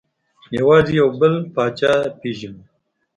یوازې یو بل پاچا پېژنو.